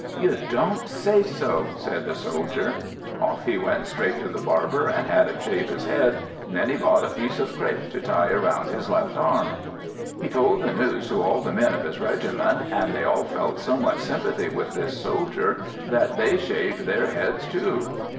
"You don't say so," said the Soldier. Off he went straight to the Barber, and made him shave his head; then he bought a piece of crape to tie round his left arm. He told the news to all the men of his regiment, and they all felt so much sympathy with this soldier that they shaved their heads too.